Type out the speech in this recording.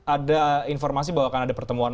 ada informasi bahwa akan ada pertemuan